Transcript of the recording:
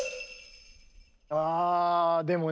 わあでもね